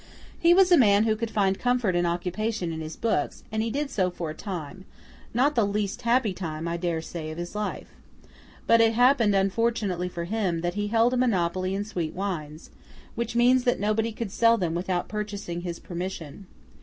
He was a man who could find comfort and occupation in his books, and he did so for a time; not the least happy time, I dare say, of his life. But it happened unfortunately for him, that he held a monopoly in sweet wines: which means that nobody could sell them without purchasing his permission.